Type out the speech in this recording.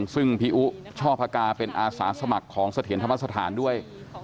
ซึ่งพี่อุช่อพกาเป็นอาสาสมัครของเสถียรธรรมสถานด้วย